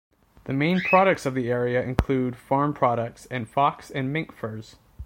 The main products of the area include farm products and fox and mink furs.